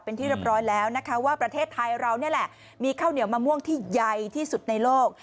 เป็นที่เรียบร้อยแล้วนะคะว่าประเทศไทยเรานี่แหละมีข้าวเหนียวมะม่วงที่ใหญ่ที่สุดในโลก